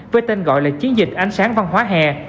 với tên gọi là chiến dịch ánh sáng văn hóa hè